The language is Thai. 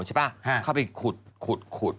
ใช่ป่ะเขาไปขุดขุดขุด